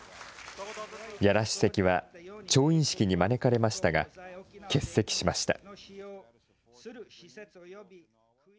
屋良主席は、調印式に招かれましたが、欠席しました。